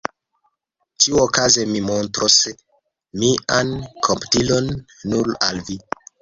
Ĉiuokaze mi montros mian komputilon nur al vi.